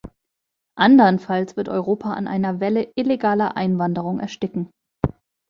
Andernfalls wird Europa an einer Welle illegaler Einwanderung ersticken.